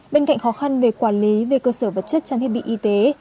bên cạnh khó khăn về quản lý về cơ sở vật chất trang thiết bị y tế